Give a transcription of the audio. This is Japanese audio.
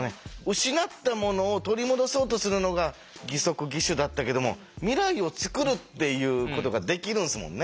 失ったものを取り戻そうとするのが義足義手だったけども未来を作るっていうことができるんですもんね。